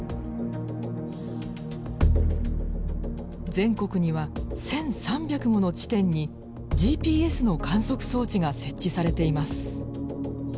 全国には１，３００もの地点にＧＰＳの観測装置が設置されています。